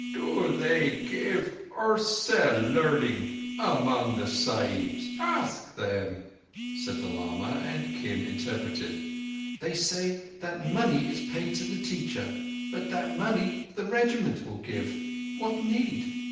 "Do they give or sell learning among the Sahibs? Ask them," said the lama, and Kim interpreted. "They say that money is paid to the teacher—but that money the Regiment will give ... What need?